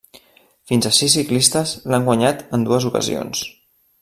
Fins a sis ciclistes l'han guanyat en dues ocasions.